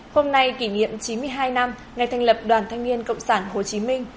hôm nay kỷ niệm chín mươi hai năm ngày thành lập đoàn thanh niên cộng sản hồ chí minh